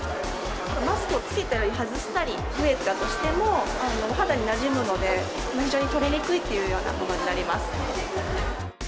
マスクを着けたり外したり、増えたとしても、お肌になじむので、非常に取れにくいといったものになります。